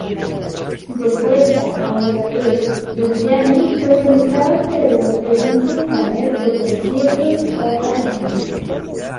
De vuelta a Budapest, Dohnányi organizaba alrededor de un centenar de conciertos cada año.